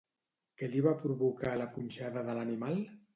Què li va provocar la punxada de l'animal?